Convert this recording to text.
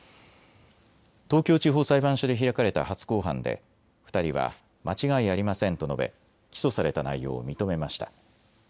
東京地方裁判所で開かれた初公判で２人は間違いありませんと述べ起訴された内容を認めました。